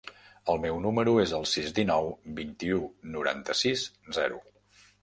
El meu número es el sis, dinou, vint-i-u, noranta-sis, zero.